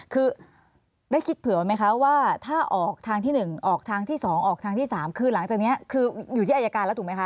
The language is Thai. คือได้คิดเผื่อไหมคะว่าถ้าออกทางที่๑ออกทางที่๒ออกทางที่๓คือหลังจากนี้คืออยู่ที่อายการแล้วถูกไหมคะ